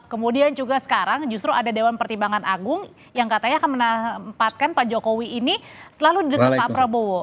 kemudian juga sekarang justru ada dewan pertimbangan agung yang katanya akan menempatkan pak jokowi ini selalu di dekat pak prabowo